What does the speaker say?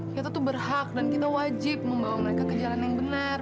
kita tuh berhak dan kita wajib membawa mereka ke jalan yang benar